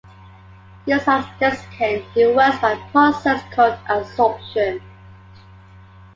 Used as a desiccant, it works by a process called "adsorption".